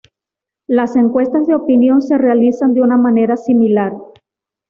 Las encuestas de opinión se realizan de una manera similar.